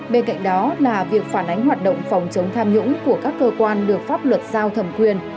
bên cạnh đó là việc phản ánh hoạt động phòng chống tham nhũng của các cơ quan được pháp luật giao thẩm quyền